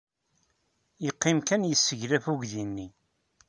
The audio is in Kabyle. Yeqqim kan yesseglaf uydi-nni.